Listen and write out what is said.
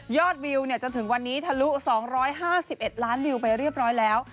วิวจนถึงวันนี้ทะลุ๒๕๑ล้านวิวไปเรียบร้อยแล้ว